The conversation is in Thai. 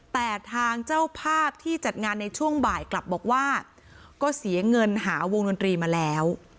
แต่ทางเจ้าภาพที่จัดงานในช่วงบ่ายกลับบอกว่าก็เสียเงินหาวงดนตรีมาแล้ว